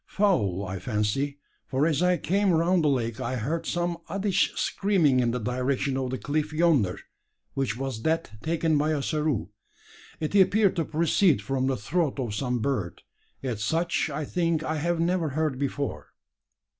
"Fowl, I fancy: for as I came round the lake I heard some oddish screaming in the direction of the cliff yonder, which was that taken by Ossaroo. It appeared to proceed from the throat of some bird; yet such I think I have never heard before."